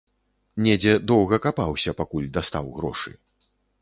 Недзе доўга капаўся, пакуль дастаў грошы.